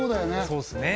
そうっすね